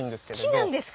木なんですか？